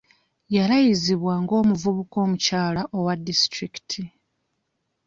Yalayizibwa ng'omubaka omukyala owa disitulikiti.